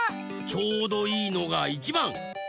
ちょうどいいのがいちばん。